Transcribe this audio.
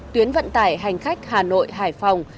tuyến vận tải hành khách hà nội hải phòng